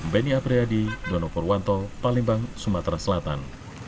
beni apriyadi dono purwanto palembang sumatera selatan